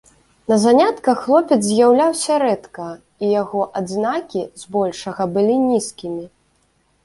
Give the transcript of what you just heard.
На занятках хлопец з'яўляўся рэдка, і яго адзнакі збольшага былі нізкімі.